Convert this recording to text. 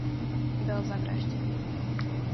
Byl zavražděn.